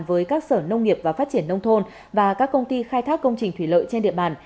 với các sở nông nghiệp và phát triển nông thôn và các công ty khai thác công trình thủy lợi trên địa bàn